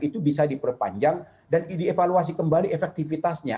itu bisa diperpanjang dan dievaluasi kembali efektivitasnya